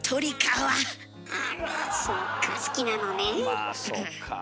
まあそっか。